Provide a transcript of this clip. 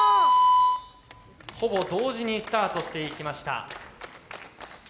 ほぼ同時にスタートしていきました。